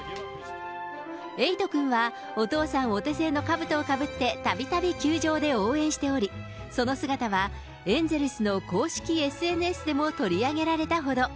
えいとくんはお父さんお手製のかぶとをかぶってたびたび球場で応援しており、その姿はエンゼルスの公式ＳＮＳでも取り上げられたほど。